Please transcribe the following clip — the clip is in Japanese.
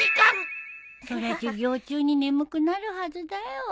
そりゃ授業中に眠くなるはずだよ。